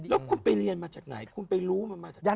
แล้วคุณไปเรียนมาจากไหนคุณไปรู้มันมาจากไหน